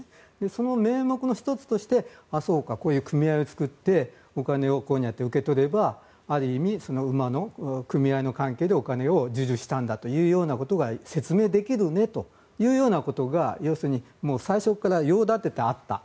その名目の１つとして組合を作ってお金を受け取ればある意味、馬の組合の関係でお金を授受したということが説明できるねというようなことが最初から用立ててあった。